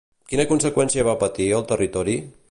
Quina conseqüència va patir el territori?